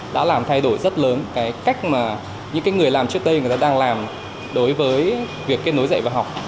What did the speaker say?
đã làm thay đổi rất lớn cái cách mà những người làm trước đây người ta đang làm đối với việc kết nối dạy và học